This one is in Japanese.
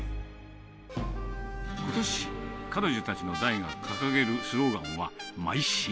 ことし、彼女たちの代が掲げるスローガンは、邁進。